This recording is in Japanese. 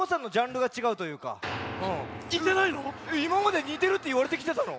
いままでにてるっていわれてきてたの？